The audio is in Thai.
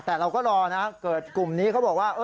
แต่เราก็รอนะเกิดกลุ่มนี้เขาบอกว่า